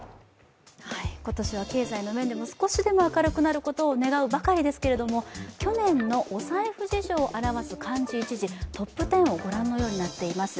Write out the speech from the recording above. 今年は経済の面でも少しでも明るくなることを願うばかりですけれども、去年のお財布事情を表す漢字一字、トップ１０、ご覧のようになっています。